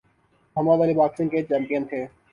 محمد Ali boxing کے champion تھے۔